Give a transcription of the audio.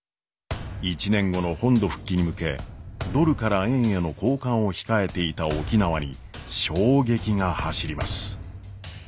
１年後の本土復帰に向けドルから円への交換を控えていた沖縄に衝撃が走ります。